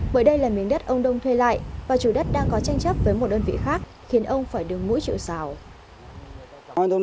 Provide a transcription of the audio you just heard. bởi đây là miếng đất ông đông thuê lại và chủ đất đang có tranh chấp với một đơn vị khác khiến ông phải đừng mũi chịu xào